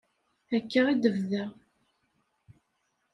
Akka i d-tebda.